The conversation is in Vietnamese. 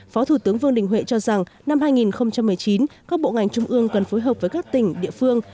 phó thủ tướng vương đình huệ cho rằng năm hai nghìn một mươi chín các bộ ngành trung ương cần phối hợp với các tỉnh địa phương